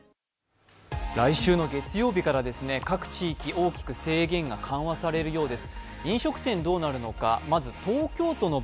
来週の月曜日から各地域、大きく制限が緩和されるようです。